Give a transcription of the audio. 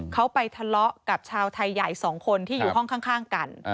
เขาไปทะเลาะกับชาวไทยใหญ่๒คนที่อยู่ห้องข้างกัน